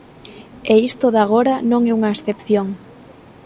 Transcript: E isto de agora non é unha excepción.